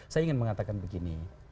saya ingin mengatakan begini